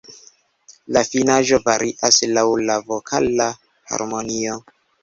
La finaĵo varias laŭ la vokala harmonio.